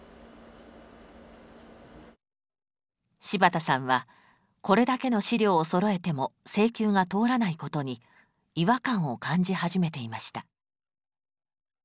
柴田さんはこれだけの資料をそろえても請求が通らないことに違和感を感じ始めていました。